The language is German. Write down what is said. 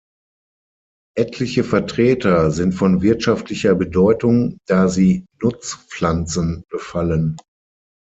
Etliche Vertreter sind von wirtschaftlicher Bedeutung, da sie Nutzpflanzen befallen.